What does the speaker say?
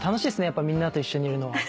やっぱみんなと一緒にいるのは。